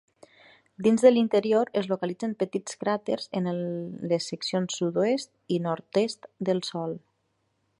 Dins de l'interior es localitzen petits cràters en les seccions sud-oest i nord-est del sòl.